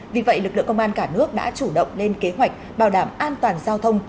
vì vậy lực lượng công an cả nước đã chủ động lên kế hoạch bảo đảm an toàn giao thông